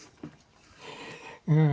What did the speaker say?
うん。